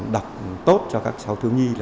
đọc tốt cho các cháu thương nhi